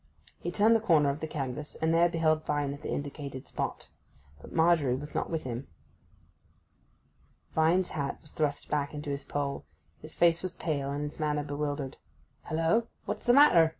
He turned the corner of the canvas, and there beheld Vine at the indicated spot. But Margery was not with him. Vine's hat was thrust back into his poll. His face was pale, and his manner bewildered. 'Hullo? what's the matter?